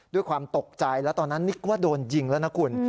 ด้วยความตกใจแล้วตอนนั้นนึกว่าโดนยิงแล้วนะคุณ